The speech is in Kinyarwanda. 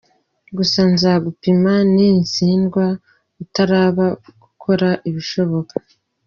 Gusa nzagupinga ni utsindwa utaraba gukora ibishoboka.